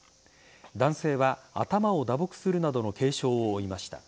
男性は頭を打撲するなどの軽傷を負いました。